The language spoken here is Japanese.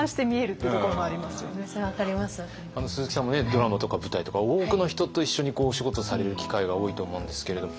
ドラマとか舞台とか多くの人と一緒にお仕事される機会が多いと思うんですけれど。